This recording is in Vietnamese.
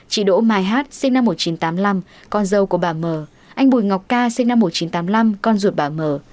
chị đỗ mai hát sinh năm một nghìn chín trăm tám mươi năm con dâu của bà mờ anh bùi ngọc ca sinh năm một nghìn chín trăm tám mươi năm con ruột bà mờ